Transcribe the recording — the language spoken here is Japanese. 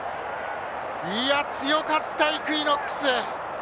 強かった、イクイノックス。